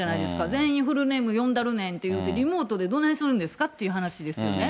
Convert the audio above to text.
全員フルネーム呼んだるねんって、リモートでどないするんですかって話ですよね。